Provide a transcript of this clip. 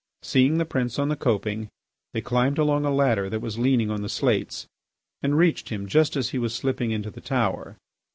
Seeing the prince on the coping they climbed along a ladder that was leaning on the slates and reached him just as he was slipping into the tower.